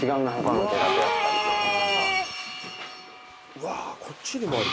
「うわっこっちにもある」